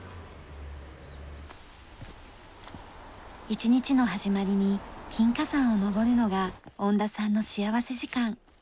一日の始まりに金華山を登るのが恩田さんの幸福時間。